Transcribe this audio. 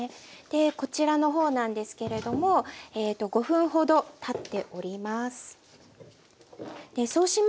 こちらの方なんですけれどもえっと５分ほどたっております。